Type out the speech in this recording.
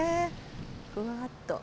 ふわーっと。